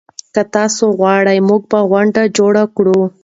که تاسي وغواړئ موږ به غونډه جوړه کړو.